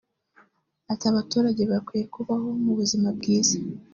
Ati “ Abaturage bakwiye kubaho mu buzima bwiza